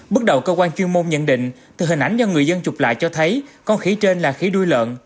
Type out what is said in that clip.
bước đầu cơ quan chuyên môn nhận định từ hình ảnh do người dân chụp lại cho thấy con khỉ trên là khỉ đuôi lợn